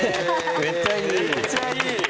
めっちゃいい。